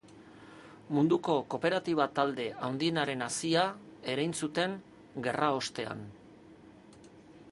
Munduko kooperatiba-talde handienaren hazia erein zuten gerraostean.